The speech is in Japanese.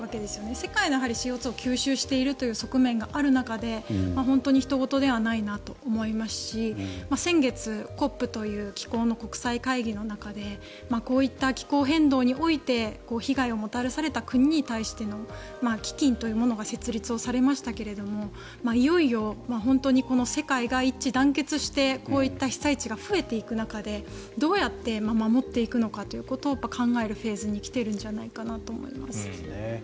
世界のＣＯ２を吸収しているという側面がある中で本当にひと事ではないなと思いますし先月、ＣＯＰという気候の国際会議の中でこういった気候変動において被害をもたらされた国に対しての基金というものが設立されましたがいよいよ本当に世界が一致団結してこういった被災地が増えていく中でどうやって守っていくのかということを考えるフェーズに来ているんじゃないかと思います。